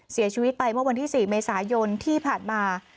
เสียชีวิตไปเมื่อวันที่๔เมษายนที่ผ่านมา